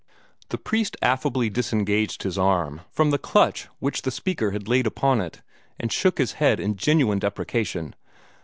The priest affably disengaged his arm from the clutch which the speaker had laid upon it, and shook his head in gentle deprecation.